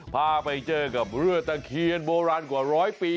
พาไปเจอกับเรือตะเคียนโบราณกว่าร้อยปี